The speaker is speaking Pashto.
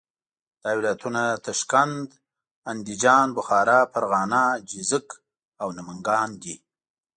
دا ولایتونه تاشکند، اندیجان، بخارا، فرغانه، جیزک او نمنګان دي.